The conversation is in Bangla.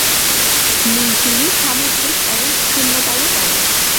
নীল তিমি সামুদ্রিক এবং স্তন্যপায়ী প্রাণী।